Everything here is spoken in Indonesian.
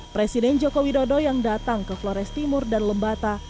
presiden joko widodo yang datang ke flores timur dan lembata